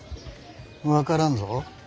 分からんぞ。